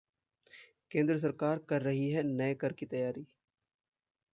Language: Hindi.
केंद्र सरकार कर रही है नये कर की तैयारी